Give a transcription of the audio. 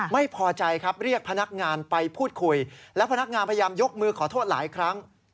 ไม่พอใจครับเรียกพนักงานไปพูดคุยและพนักงานพยายามยกมือขอโทษหลายครั้ง